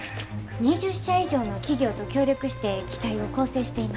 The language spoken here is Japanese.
２０社以上の企業と協力して機体を構成しています。